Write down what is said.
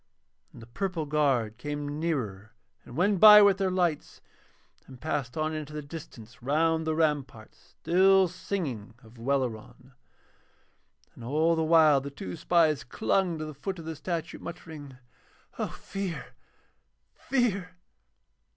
And the purple guard came nearer and went by with their lights, and passed on into the distance round the ramparts still singing of Welleran. And all the while the two spies clung to the foot of the statue, muttering: 'O Fear, Fear.'